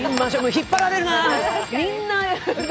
引っ張られるな。